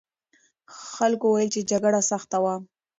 خلکو وویل چې جګړه سخته وه.